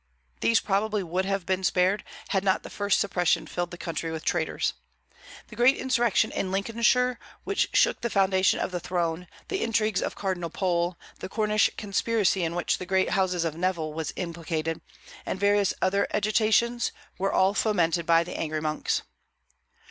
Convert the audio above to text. These probably would have been spared, had not the first suppression filled the country with traitors. The great insurrection in Lincolnshire which shook the foundation of the throne, the intrigues of Cardinal Pole, the Cornish conspiracy in which the great house of Neville was implicated, and various other agitations, were all fomented by the angry monks.